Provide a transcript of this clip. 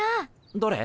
どれ？